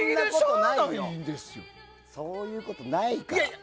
そういうことないから。